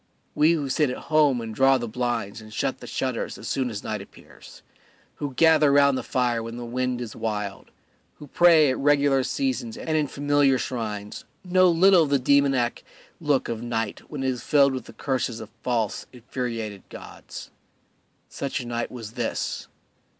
We who sit at home and draw the blinds and shut the shutters as soon as night appears, who gather round the fire when the wind is wild, who pray at regular seasons and in familiar shrines, know little of the demoniac look of night when it is filled with curses of false, infuriated gods. Such a night was this.